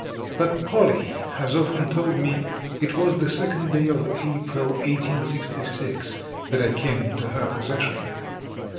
But Polly has often told me it was the second day of April, 1866, that I came into her possession.